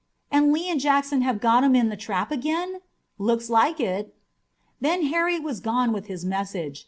"And Lee and Jackson have got 'em in the trap again?" "It looks like it." Then Harry was gone with his message.